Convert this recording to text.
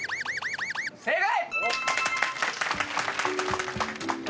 正解！